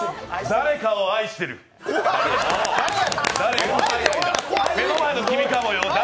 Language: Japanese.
誰かを愛してる、目の前の君かよ。